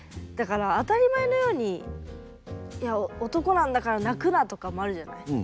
だから当たり前のように「男なんだから泣くな」とかもあるじゃない。